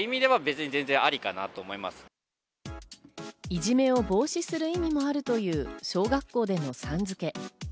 いじめを防止する意味もあるという小学校でのさん付け。